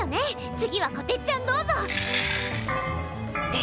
次はこてっちゃんどうぞ！